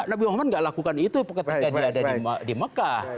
nabi muhammad gak lakukan itu ketika dia ada di mekah